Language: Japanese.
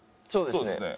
そうですね。